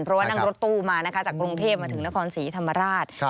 เพราะว่านั่งรถตู้มานะคะจากกรุงเทพมาถึงนครศรีธรรมราช